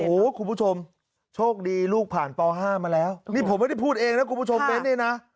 โอ้โหคุณผู้ชมโชคดีลูกผ่านป๕มาแล้วนี่ผมไม่ได้พูดเองนะคุณผู้ชมเบ้นเนี่ยนะ